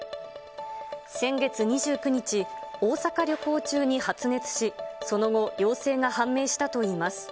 先月２９日、大阪旅行中に発熱し、その後、陽性が判明したといいます。